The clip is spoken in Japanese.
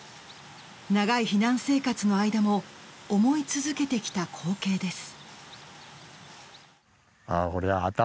長い避難生活の間も思い続けてきた光景です。